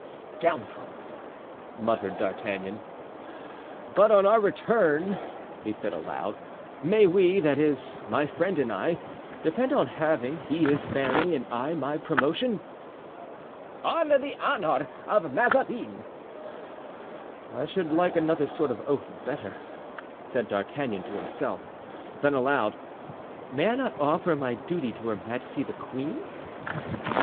"Scoundrel!" muttered D'Artagnan. "But on our return," he said aloud, "may we, that is, my friend and I, depend on having, he his barony, and I my promotion?" "On the honor of Mazarin." "I should like another sort of oath better," said D'Artagnan to himself; then aloud, "May I not offer my duty to her majesty the queen?"